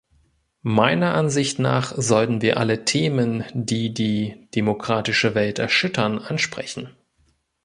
Meiner Ansicht nach sollten wir alle Themen, die die demokratische Welt erschüttern, ansprechen.